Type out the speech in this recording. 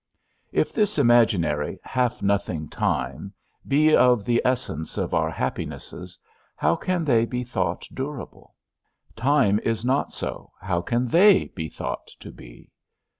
If this imaginary, half nothing time, be of the essence of our happinesses, how can they be thought durable? Time is not so; how can they be thought to be?